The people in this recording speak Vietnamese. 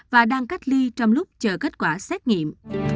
và đang cách ly trong lúc chờ kết quả xét nghiệm